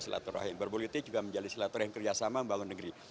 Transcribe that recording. selatrahim berpolitik juga menjadi selatrahim kerjasama membangun negeri